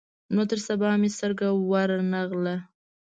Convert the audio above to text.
نو تر سبا مې سترګه ور نه غله.